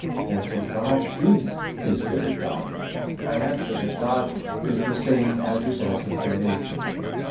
Therefore God is His very Godhead. I answer that, God is the same as His essence or nature.